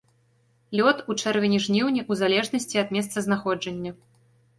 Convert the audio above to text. Лёт у чэрвені-жніўні ў залежнасці ад месцазнаходжання.